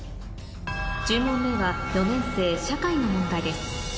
１０問目は４年生社会の問題です